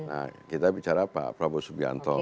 nah kita bicara pak prabowo subianto